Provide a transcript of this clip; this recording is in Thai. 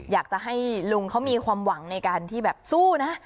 อยากจะให้ลุงเขามีความหวังในการที่แบบสู้นะ